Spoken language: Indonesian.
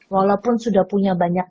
walaupun sudah punya banyak